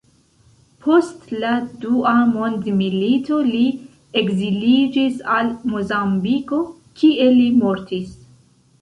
Post la Dua Mondmilito, li ekziliĝis al Mozambiko, kie li mortis.